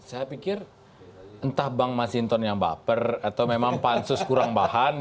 saya pikir entah bang masinton yang baper atau memang pansus kurang bahan